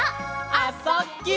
「あ・そ・ぎゅ」